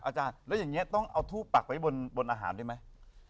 อาจารย์แล้วอย่างนี้ต้องเอาทูบปักไว้บนอาหารด้วยไหม